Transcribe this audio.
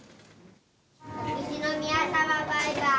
秋篠宮さま、バイバーイ。